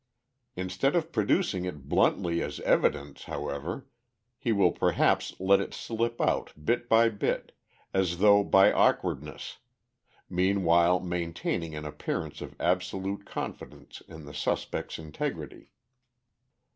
Instead of producing it bluntly as evidence, however, he will perhaps let it slip out bit by bit, as though by awkwardness, meanwhile maintaining an appearance of absolute confidence in the suspect's integrity.